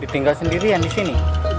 ditinggal sendirian disini